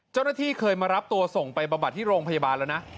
เจ้าหน้าที่เคยมารับตัวส่งไปบำบัดที่โรงพยาบาลแล้วนะ